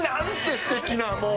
すてきな、もう。